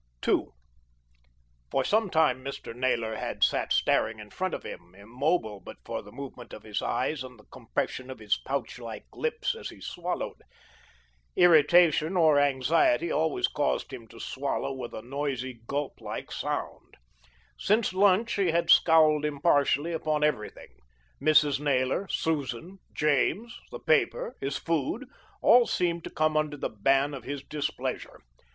II For some time Mr. Naylor had sat staring in front of him, immobile but for the movement of his eyes and the compression of his pouch like lips as he swallowed. Irritation or anxiety always caused him to swallow with a noisy gulp like sound. Since lunch he had scowled impartially upon everything. Mrs. Naylor, Susan, James, the paper, his food, all seemed to come under the ban of his displeasure.